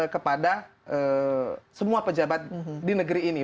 kepada semua pejabat di negeri ini